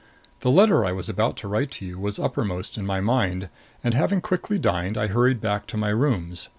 The letter I was about to write to you was uppermost in my mind and, having quickly dined, I hurried back to my rooms.